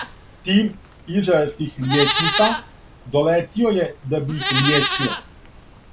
Тим израелских лијечника долетио је да би их лијечио.